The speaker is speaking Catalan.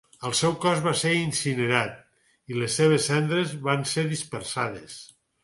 El seu cos va ser incinerat i les seves cendres van ser dispersades.